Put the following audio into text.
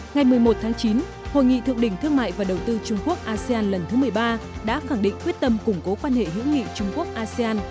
ngày một mươi một tháng chín hội nghị thượng đỉnh thương mại và đầu tư trung quốc asean lần thứ một mươi ba đã khẳng định quyết tâm củng cố quan hệ hữu nghị trung quốc asean